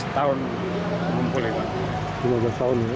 lima belas tahun ya